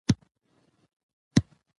دا ژبه به تاسې ته عزت درکړي.